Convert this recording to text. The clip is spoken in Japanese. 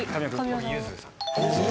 僕ゆずさん。